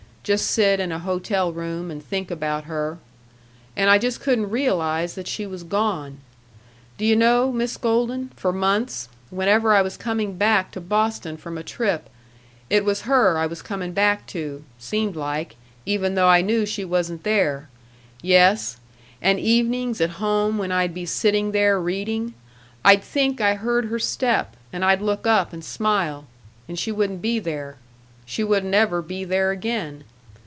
Just sit in a hotel room and think about her. And I just couldn't realize that she was gone. Do you know, Miss Golden, for months, whenever I was coming back to Boston from a trip, it was her I was coming back to, seemed like, even though I knew she wasn't there yes, and evenings at home when I'd be sitting there reading, I'd think I heard her step, and I'd look up and smile and she wouldn't be there; she wouldn't ever be there again....